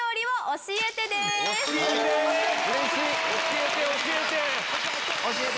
教えて教えて！